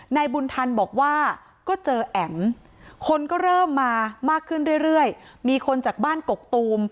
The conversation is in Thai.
นายบุญธรรมบอกว่าก็เจอแอ๋มคนก็เริ่มมามากขึ้นเรื่อยมีคนจากบ้านกกตูม